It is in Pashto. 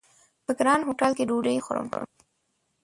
په ګران هوټل کې ډوډۍ خورم!